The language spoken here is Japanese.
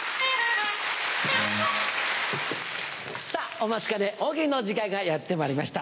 お待ちかね「大喜利」の時間がやってまいりました。